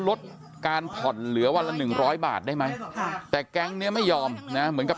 ลดการผ่อนเหลือวันละหนึ่งร้อยบาทได้ไหมแต่แก๊งนี้ไม่ยอมนะเหมือนกับ